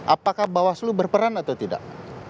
apakah bawaslu berperan atau tidak